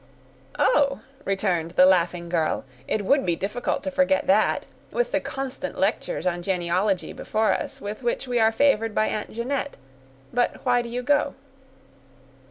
"Oh!" returned the laughing girl, "it would be difficult to forget that, with the constant lectures on genealogy before us, with which we are favored by Aunt Jeanette; but why do you go?"